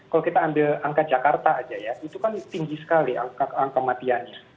kalau kita ambil angka jakarta aja ya itu kan tinggi sekali angka matiannya